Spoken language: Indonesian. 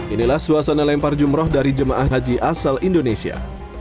inilah suasana lempar jumroh dari jemaah haji asal indonesia